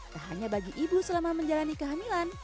tak hanya bagi ibu selama menjalani kehamilan